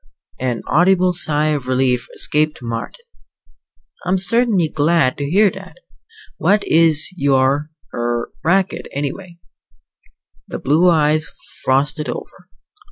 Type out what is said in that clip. An audible sigh of relief escaped Marden. "I'm certainly glad to hear that! What is your er racket, anyway?" The blue eyes frosted over.